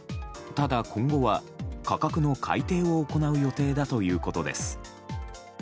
ただ、今後は価格の改定を行う予定だということです。